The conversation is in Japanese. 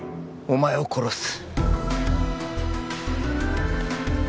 お前を殺す